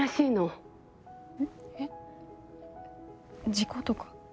事故とか？